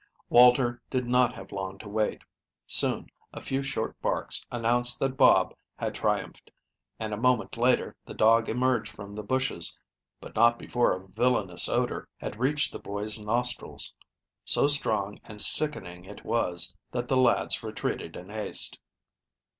Walter did not have long to wait. Soon a few short barks announced that Bob had triumphed, and a moment later the dog emerged from the bushes, but not before a villainous odor had reached the boys' nostrils. So strong and sickening it was, that the lads retreated in haste.